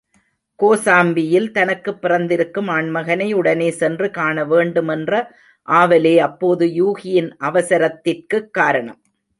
கோசாம்பியில் தனக்குப் பிறந்திருக்கும் ஆண்மகனை உடனே சென்று காணவேண்டும் என்ற ஆவலே அப்போது யூகியின் அவசரத்திற்குக் காரணம்.